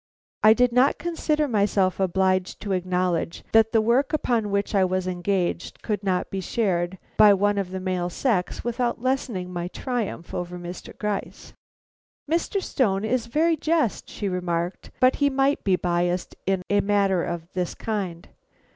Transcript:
I did not consider myself obliged to acknowledge that the work upon which I was engaged could not be shared by one of the male sex without lessening my triumph over Mr. Gryce. "Mr. Stone is very just," she remarked, "but he might be biased in a matter of this kind.